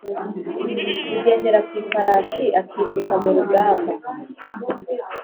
ugendera ku ifarashi akisuka mu rugamba